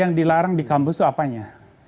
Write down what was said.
yang dilarang di kampus itu apanya